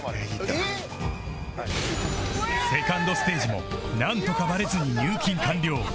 ２ｎｄ ステージもなんとかバレずに入金完了